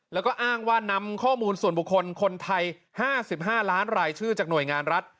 แล้วก็อ้างว่านำข้อมูลส่วนบุคคลคนไทย๕๕ล้านรายชื่อจากหน่วยงานรัฐ